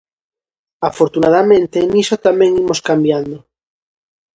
Afortunadamente, niso tamén imos cambiando.